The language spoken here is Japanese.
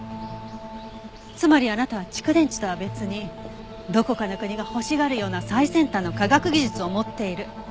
つまりあなたは蓄電池とは別にどこかの国が欲しがるような最先端の科学技術を持っている。